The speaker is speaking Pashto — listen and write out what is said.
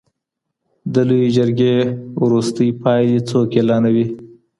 د لويي جرګې وروستۍ پایلي څوک اعلانوي؟